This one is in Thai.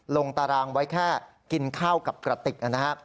ลงตารางไว้แค่กินข้าวกับกระติก